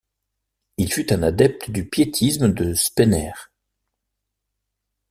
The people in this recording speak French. Il fut un adepte du piétisme de Spener.